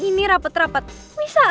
tika sama belu pake liat segala lagi